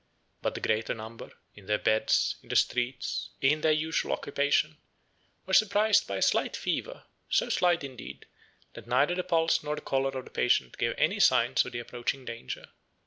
But the greater number, in their beds, in the streets, in their usual occupation, were surprised by a slight fever; so slight, indeed, that neither the pulse nor the color of the patient gave any signs of the approaching danger.